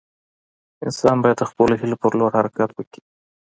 انسان باید د خپلو هيلو پر لور حرکت وکړي.